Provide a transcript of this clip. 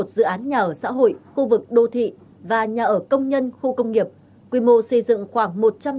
bốn trăm linh một dự án nhà ở xã hội khu vực đô thị và nhà ở công nhân khu công nghiệp quy mô xây dựng khoảng